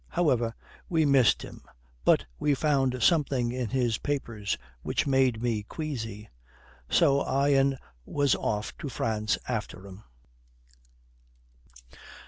However, we missed him; but we found something in his papers which made me queasy. So I e'en was off to France after him.